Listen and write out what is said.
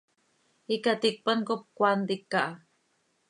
Icaticpan cop cmaa ntica ha.